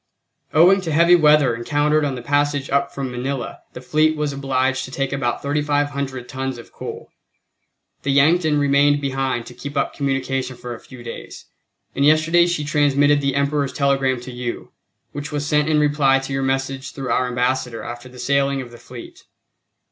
Owing to heavy weather encountered on the passage up from Manila the fleet was obliged to take about 3500 tons of coal. The Yankton remained behind to keep up communication for a few days, and yesterday she transmitted the Emperor's telegram to you, which was sent in reply to your message through our Ambassador after the sailing of the fleet.